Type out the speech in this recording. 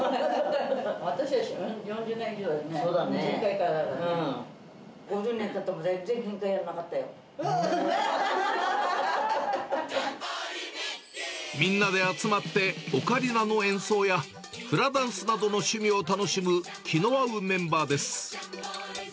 私は４０年以上だね、５０年たっても、全然けんかみんなで集まってオカリナの演奏や、フラダンスなどの趣味を楽しむ気の合うメンバーです。